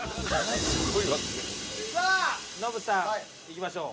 さあノブさんいきましょう。